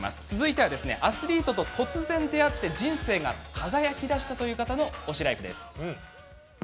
アスリートと突然出会って人生が輝きだしたという方の推しライフです。